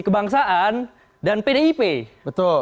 kebangsaan dan pdip betul